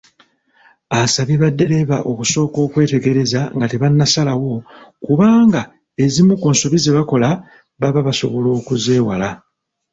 Asabye baddereeva okusooka okwetegereza nga tebannasalawo kubanga ezimu ku nsobi ze bakola baba basobola okuzeewala.